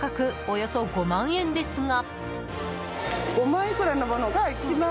およそ５万円ですが。